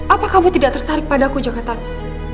apa kamu tidak tertarik padaku jakartamu